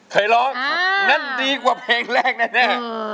เคยร้องนั่นดีกว่าเพลงแรกแน่